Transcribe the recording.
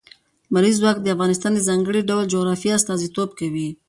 لمریز ځواک د افغانستان د ځانګړي ډول جغرافیه استازیتوب کوي.